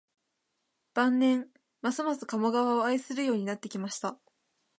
晩年、ますます加茂川を愛するようになってきました